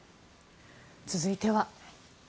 続いては。